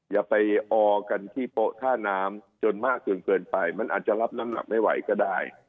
อย่าไปออกันที่โป๊ท่าน้ำจนมากจนเกินไปมันอาจจะรับน้ำหนักไม่ไหวก็ได้